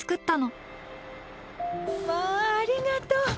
まあ、ありがとう！